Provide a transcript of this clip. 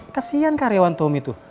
kesian karyawan tommy tuh